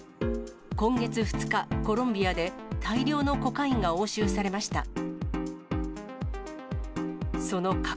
今月２日、コロンビアで大量のコカインが押収されました。